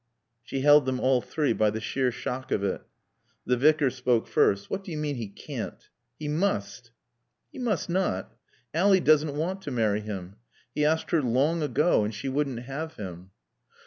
She held them all three by the sheer shock of it. The Vicar spoke first. "What do you mean, 'he can't'? He must." "He must not. Ally doesn't want to marry him. He asked her long ago and she wouldn't have him."